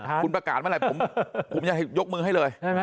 คุณประกาศเมื่อไหร่ผมจะยกมือให้เลยใช่ไหม